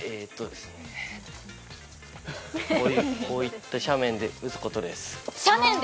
こういった斜面で撃つことです。